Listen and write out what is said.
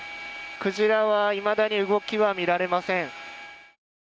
クジラはいまだに動きは見られません。